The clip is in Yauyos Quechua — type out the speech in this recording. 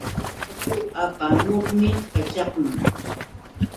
Yaku apamuqmi kaćhaqman.